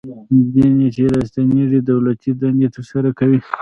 ځینې چې راستنیږي دولتي دندې ترسره کوي.